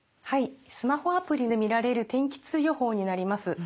スマホアプリで見られる天気痛予報になります。